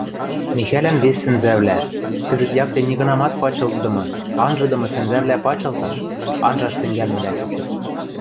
Михӓлӓн вес сӹнзӓвлӓ, кӹзӹт якте нигынамат пачылтдымы, анжыдымы сӹнзӓвлӓ пачылташ, анжаш тӹнгӓлмӹлӓ чучыт.